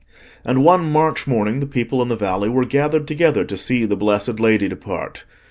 And one March morning the people in the valley were gathered together to see the blessed Lady depart.